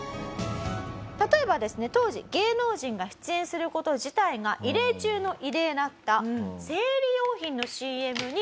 例えばですね当時芸能人が出演する事自体が異例中の異例だった生理用品のＣＭに即決出演したりですね。